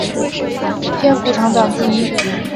篇幅长短不一。